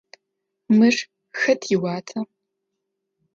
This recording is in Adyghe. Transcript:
Мыр хэт иуата?